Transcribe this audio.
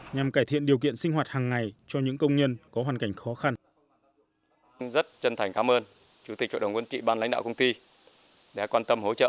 nhằm cải thiện điều kiện sinh hoạt hàng ngày cho những công nhân có hoàn cảnh khó khăn